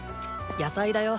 野菜だよ。